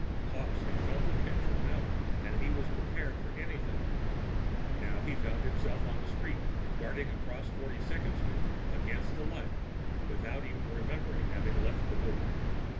Hawkes had felt the tension mounting, and he was prepared for anything. Now he found himself on the street, darting across Forty second Street against the light, without even remembering having left the booth.